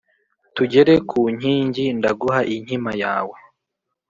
tugere ku nkingi ndaguha inkima yawe